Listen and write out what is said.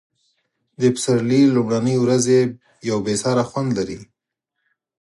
د پسرلي لومړنۍ ورځې یو بې ساری خوند لري.